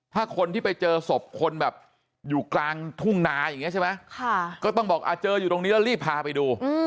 ถ้าคนที่ไปเจอศพคนแบบอยู่กลางทุ่งนาอย่างนี้ใช่ไหมก็ต้องบอกเจออยู่ตรงนี้แล้วรีบพาไปดู